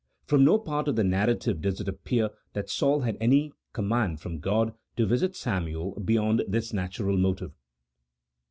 From no part of the narrative does it appear that Saul had any command from God to visit Samuel beyond this natural motive.